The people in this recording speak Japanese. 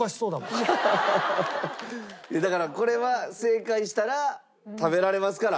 だからこれは正解したら食べられますから。